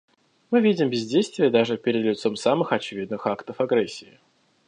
Мы видим бездействие даже перед лицом самых очевидных актов агрессии.